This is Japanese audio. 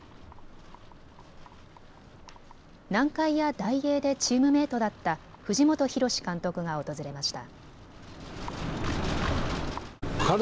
南海やダイエーでチームメートだった藤本博史監督が訪れました。